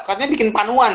katanya bikin panuan